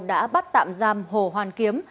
đã bắt tạm giam hồ hoàn kiếm